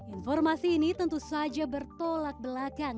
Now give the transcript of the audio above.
informasi ini tentu saja bertolak belakang